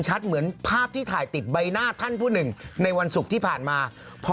อืมอืมอืมเท่า